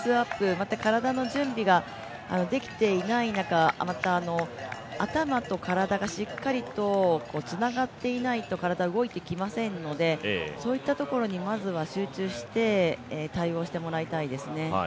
まだ体の準備ができていない中、また頭と体がしっかりとつながっていないと、体は動いてきませんので、そういったところに集中して対応してもらいたいと思いますね。